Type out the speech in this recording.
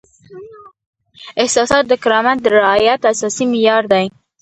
احساسات د کرامت د رعایت اساسي معیار دی.